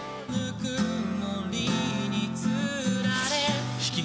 「温もりにつられ」